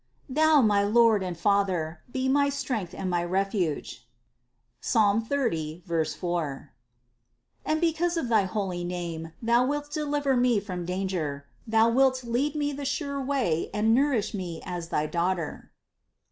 Thou, my Lord and Father, be my strength and my refuge (Psalm 30, 4), and because of thy holy name Thou wilt deliver me from danger; thou wilt lead me the sure way and nourish me as thy Daughter."